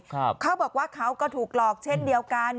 เขาบอกว่าเขาก็ถูกหลอกเช่นเดียวกัน